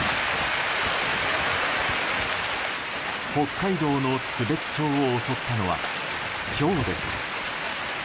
北海道の津別町を襲ったのはひょうです。